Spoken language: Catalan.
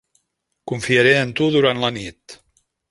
Confiaré en tu durant la nit.